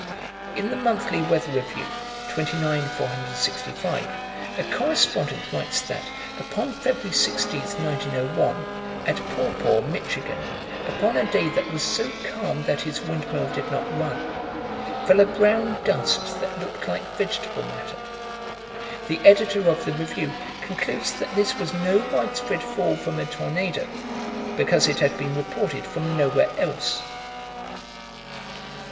In the Monthly Weather Review, 29 465, a correspondent writes that, upon Feb. 16, 1901, at Pawpaw, Michigan, upon a day that was so calm that his windmill did not run, fell a brown dust that looked like vegetable matter. The Editor of the Review concludes that this was no widespread fall from a tornado, because it had been reported from nowhere else.